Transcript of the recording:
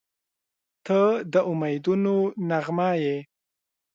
• ته د امیدونو نغمه یې.